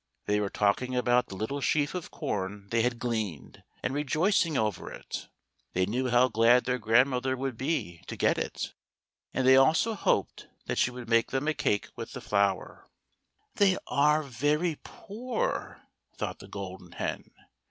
They were talking about the little sheaf of corn they had gleaned, and rejoicing over it. They knew how glad their grand mother would be to get it, and they also hoped that she would make them a cake with the flour. THE GOLDEN HEN. 55 "They are very poor," thought the Golden Hen.